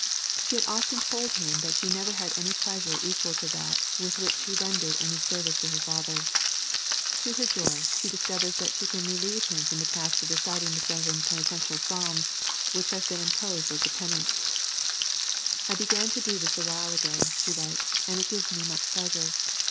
She had often told him that she never had any pleasure equal to that with which she rendered any service to her father. To her joy, she discovers that she can relieve him from the task of reciting the seven Penitential Psalms which had been imposed as a Penance: "I began to do this a while ago," she writes, "and it gives me much pleasure.